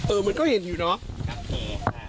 เออมันก็เห็นอยู่เนาะ